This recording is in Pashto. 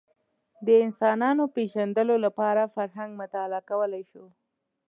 د انسانانو پېژندلو لپاره فرهنګ مطالعه کولی شو